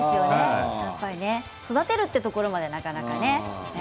育てるところまではなかなかね。